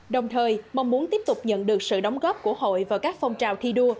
đồng thời mong muốn tiếp tục nhận được sự đóng góp của hội vào các phong trào thi đua